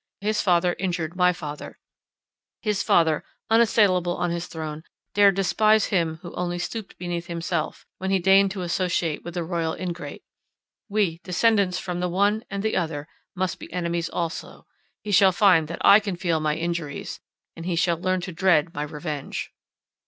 His father injured my father—his father, unassailable on his throne, dared despise him who only stooped beneath himself, when he deigned to associate with the royal ingrate. We, descendants from the one and the other, must be enemies also. He shall find that I can feel my injuries; he shall learn to dread my revenge!"